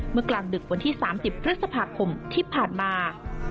กลางดึกวันที่๓๐พฤษภาคมที่ผ่านมา